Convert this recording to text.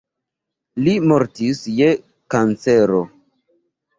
Li mortis je kancero.